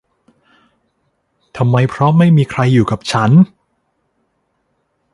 ทำไมเพราะไม่มีใครอยู่กับฉัน !